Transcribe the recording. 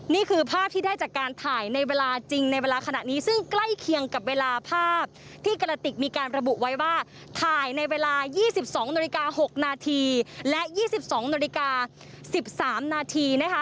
นี่คือภาพที่ได้จากการถ่ายในเวลาจริงในเวลาขณะนี้ซึ่งใกล้เคียงกับเวลาภาพที่กระติกมีการระบุไว้ว่าถ่ายในเวลา๒๒นาฬิกา๖นาทีและ๒๒นาฬิกา๑๓นาทีนะคะ